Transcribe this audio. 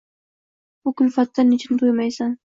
Bu kulfatdan nechun to’ymaysan!